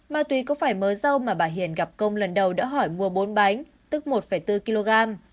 ma túy có phải mớ dâu mà bà hiền gặp công lần đầu đã hỏi mua bốn bánh tức một bốn kg